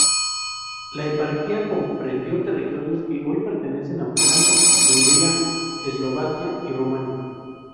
La eparquía comprendió territorios que hoy pertenecen a Ucrania, Hungría, Eslovaquia y Rumania.